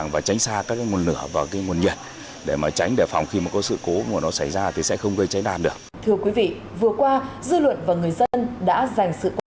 và nếu có sự cố mà nó xảy ra thì sẽ không gây cháy đàn được